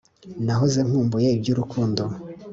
Nahoze nkumbuye iby'urukundo,